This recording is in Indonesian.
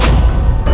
aku tidak berat